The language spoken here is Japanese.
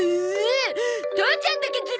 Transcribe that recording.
父ちゃんだけずるいゾ！